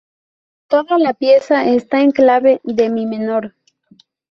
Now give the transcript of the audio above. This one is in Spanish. Toda la pieza está en clave de "mi" menor.